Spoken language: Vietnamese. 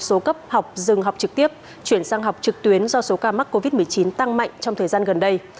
trong số cấp học dừng học trực tiếp chuyển sang học trực tuyến do số ca mắc covid một mươi chín tăng mạnh trong thời gian gần đây